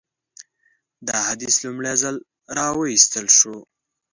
دا حدیث لومړی ځل راوایستل شو.